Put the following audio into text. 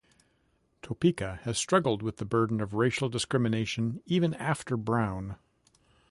Topeka has struggled with the burden of racial discrimination even after Brown.